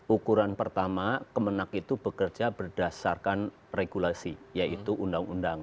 ukuran pertama kemenang itu bekerja berdasarkan regulasi yaitu undang undang